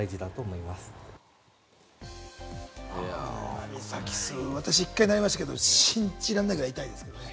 アニサキス、私、１回なりましたけれども、信じられないぐらい痛いですね。